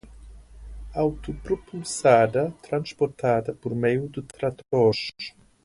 Autopropulsada, transportada por meio de tratores